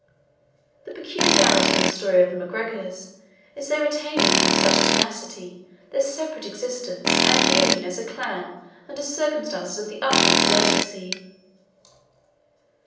The peculiarity in the story of the MacGregors, is their retaining, with such tenacity, their separate existence and union as a clan under circumstances of the utmost urgency.